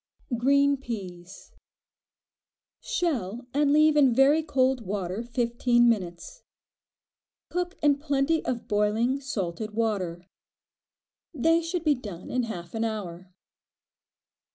Green Peas. Shell and leave in very cold water fifteen minutes. Cook in plenty of boiling, salted water. They should be done in half an hour.